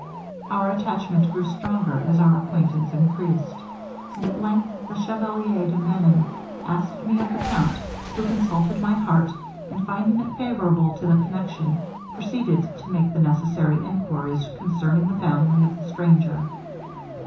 Our attachment grew stronger as our acquaintance increased; and at length the chevalier de Menon asked me of the count, who consulted my heart, and finding it favorable to the connection, proceeded to make the necessary enquiries concerning the family of the stranger.